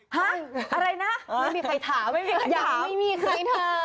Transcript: ฮะอะไรนะไม่มีใครถามอย่างนี้ไม่มีใครถาม